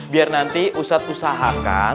biar nanti ustadz usahakan